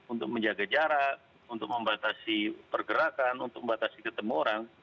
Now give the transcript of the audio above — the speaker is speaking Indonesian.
untuk menjaga jarak untuk membatasi pergerakan untuk membatasi ketemu orang